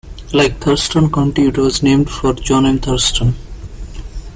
Like Thurston County, it was named for John M. Thurston.